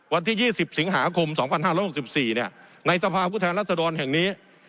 วันที่๒๐สิงหาคม๒๕๖๔ในสภาพผู้แทนรัศดรแห่งนี้